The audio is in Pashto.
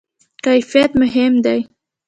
کیفیت مهم دی